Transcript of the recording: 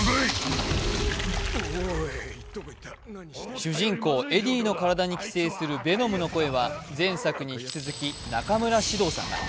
主人公エディの体に寄生するヴェノムの声は前作に引き続き中村獅童さんが。